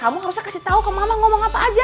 kamu harusnya kasih tau kamu ngomong apa aja